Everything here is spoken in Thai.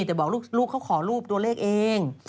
แต่บอกลูกเขาขอรูปตัวเลขเอง